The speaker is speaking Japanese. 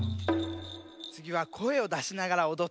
つぎはこえをだしながらおどってみるよ。